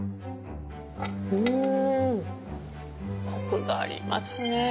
うんコクがありますね。